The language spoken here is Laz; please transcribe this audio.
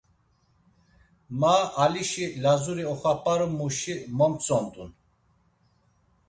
Ma, Alişi, Lazuri oxap̌arumuşi, momtzondun.